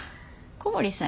小森さん